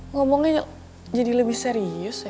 ngomongnya jadi lebih serius ya